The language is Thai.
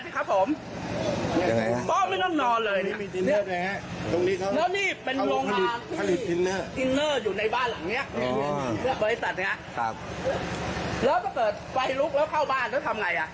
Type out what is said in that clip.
อ๋อบริษัทเนี้ยครับแล้วถ้าเกิดไฟลุกแล้วเข้าบ้านแล้วทำไงอ่ะ